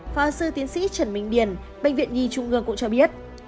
phó sư tiến sĩ trần minh điền bệnh viện nhi trung ương cũng cho biết